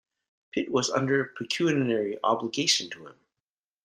Pitt was under pecuniary obligation to him.